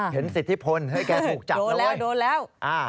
เห็นสิทธิพลให้แกถูกจับนะว้ายโดนแล้ว